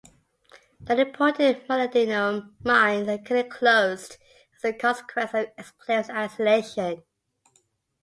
The important molybdenum mines are currently closed as a consequence of the exclave's isolation.